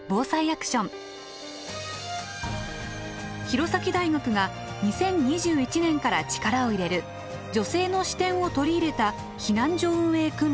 弘前大学が２０２１年から力を入れる「女性の視点を取り入れた避難所運営訓練」です。